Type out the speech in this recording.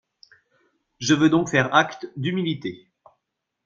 Je veux donc faire acte d’humilité